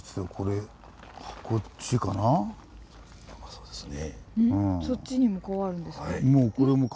そうですね。